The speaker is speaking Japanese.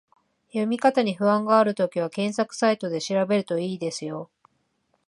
読み方に不安があるときは、検索サイトで調べると良いですよ